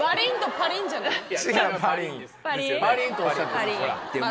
パリンとおっしゃってました。